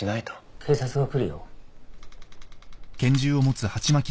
警察が来るよ。